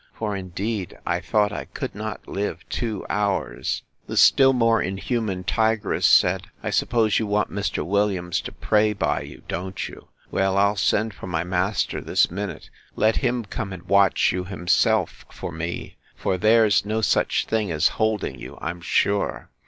For, indeed, I thought I could not live two hours. The still more inhuman tigress said, I suppose you want Mr. Williams to pray by you, don't you? Well, I'll send for my master this minute: let him come and watch you himself, for me; for there's no such thing as holding you, I'm sure.